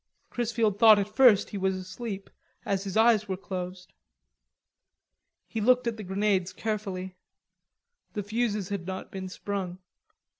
Chrisfield thought at first he was asleep, as his eyes were closed. He looked at the grenades carefully. The fuses had not been sprung.